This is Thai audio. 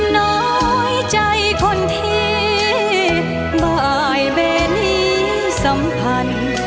น้อยใจคนที่บ่ายเบนี้สัมพันธ์